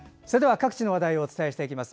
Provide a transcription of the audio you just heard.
各地の話題をお伝えしていきます。